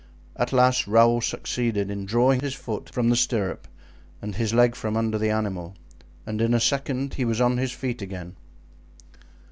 At last Raoul succeeded in drawing his foot from the stirrup and his leg from under the animal, and in a second he was on his feet again.